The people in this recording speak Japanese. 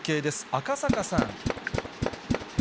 赤坂さん。